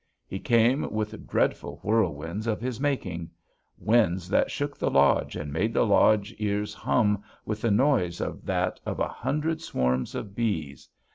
"He came with dreadful whirlwinds of his making. Winds that shook the lodge, and made the lodge ears hum with the noise of that of a hundred swarms of bees.